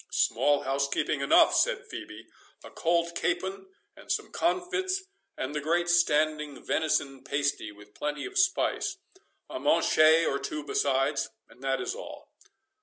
"Small housekeeping enough," said Phœbe; "a cold capon and some comfits, and the great standing venison pasty, with plenty of spice—a manchet or two besides, and that is all."